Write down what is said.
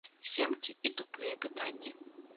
Семкі і тупыя пытанні.